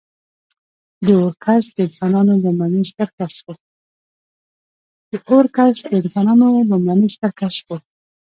• د اور کشف د انسانانو لومړنی ستر کشف و.